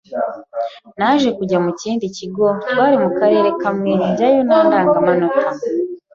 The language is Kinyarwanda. naje kujya mu kindi kigo twari mu karere kamwe njyayo nta ndangamanota